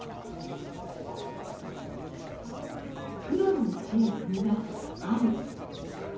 プロの道へ踏み出す兄。